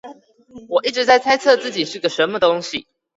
我一直在猜測自己是個什麼東西